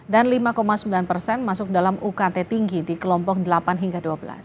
dan lima sembilan persen masuk ke dalam ukt tinggi di kelompok delapan hingga dua belas